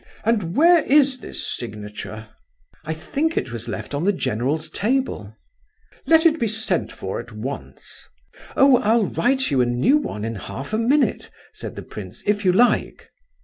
and where is this signature?" "I think it was left on the general's table." "Let it be sent for at once!" "Oh, I'll write you a new one in half a minute," said the prince, "if you like!"